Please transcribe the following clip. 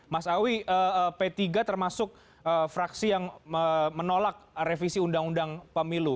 mas awi p tiga termasuk fraksi yang menolak revisi undang undang pemilu